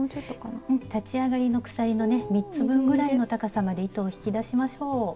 立ち上がりの鎖のね３つ分ぐらいの高さまで糸を引き出しましょう。